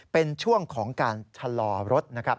เป็นช่วงของการชะลอรถนะครับ